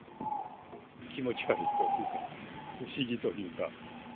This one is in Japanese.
気持ち悪いというか、不思議というか。